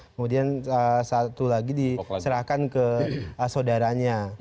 kemudian satu lagi diserahkan ke saudaranya